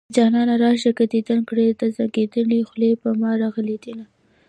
جانانه راشه که ديدن کړي د زنکدن خولې په ما راغلي دينه